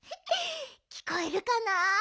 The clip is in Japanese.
きこえるかな？